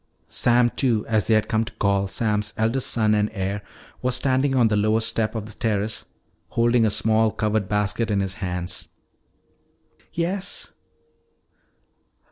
Sam Two, as they had come to call Sam's eldest son and heir, was standing on the lowest step of the terrace, holding a small covered basket in his hands. "Yes?"